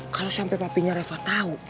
kalau sampai papinya reva tahu